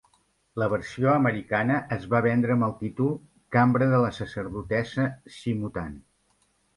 La versió americana es va vendre amb el títol "Cambra de la sacerdotessa Sci-mutant".